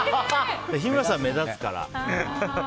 日村さん、目立つから。